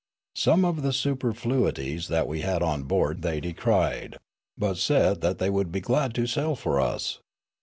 Some of the superfluities that we had on board thej' decried, but said that they would be glad to sell for us.